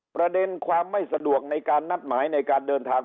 ประเด็นความไม่สะดวกในการนัดหมายในการเดินทาง